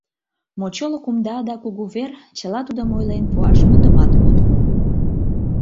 Мочоло кумда да кугу вер — чыла тудым ойлен пуаш мутымат от му.